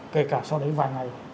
kể cả sau đấy vài ngày